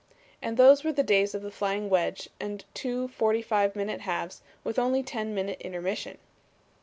"And those were the days of the flying wedge and two forty five minute halves with only ten minutes intermission!"